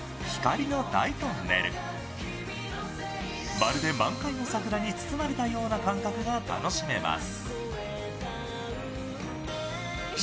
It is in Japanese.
まるで満開の桜に包まれたような感覚が楽しめます。